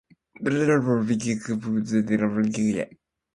ｄｄｖ れあうれい ｆ け ｆ るいええあ ｖｋｆ れあ ｖ け ｒｖ け ｒｖ れいへはうふぁういえ